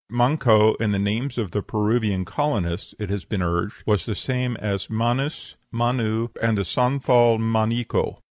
Manco, in the names of the Peruvian colonists, it has been urged, was the same as Mannus, Mann, and the Santhal Maniko.